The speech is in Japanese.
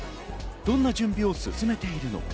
どんな準備を進めているのか？